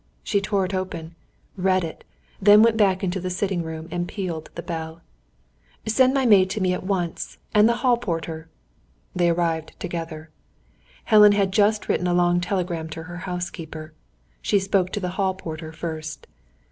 She tore it open, read it then went back into the sitting room, and pealed the bell. "Send my maid to me at once, and the hall porter." They arrived together. Helen had just written a long telegram to her housekeeper. She spoke to the hall porter first.